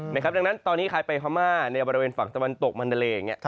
ดังนั้นตอนนี้ใครไปพม่าในบริเวณฝั่งตะวันตกมันดาเลอย่างนี้